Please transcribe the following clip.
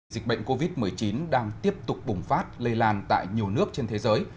dịch bệnh covid một mươi chín đang tiếp tục bùng phát lây lan tại nhiều nước trên thế giới